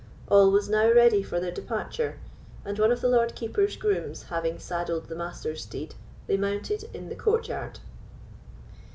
All was now ready for their departure; and one of the Lord Keeper's grooms having saddled the Master's steed, they mounted in the courtyard.